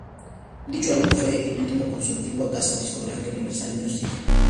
Dicho álbum fue el último con su antigua casa discográfica Universal Music.